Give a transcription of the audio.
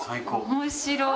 面白い。